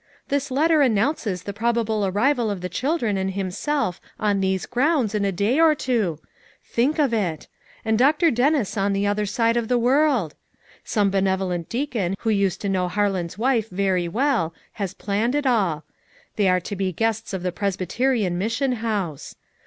This letter announces the probable arrival of the children and himself on these grounds in a day or two; think of it! and Dr. Dennis on the other side of the world. Some benevolent deacon who used to know Harlan's wife very well, has planned it all; they are to be guests of the Presbyterian Mis sion House.